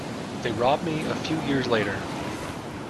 They robbed me a few years later.